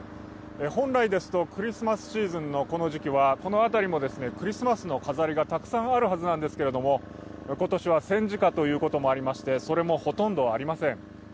本来ですとクリスマスシーズンのこの時期はこの辺りもクリスマスの飾りがたくさんあるはずなんですけれども、今年は戦時下ということもありまして、それもほとんどありません。